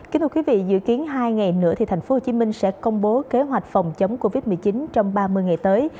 kính thưa quý vị dự kiến hai ngày nữa tp hcm sẽ công bố kế hoạch phòng chống covid một mươi chín trong ba mươi ngày tới